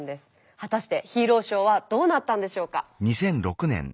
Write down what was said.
果たしてヒーローショーはどうなったんでしょうか？